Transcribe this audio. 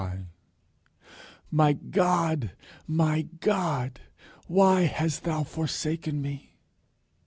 _"My God, my God, why hast thou forsaken me?"